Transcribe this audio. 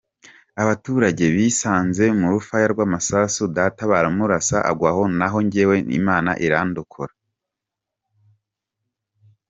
Abaturage bisanze mu rufaya rw’amasasu Data baramurasa agwa aho, naho njyewe Imana irandokora.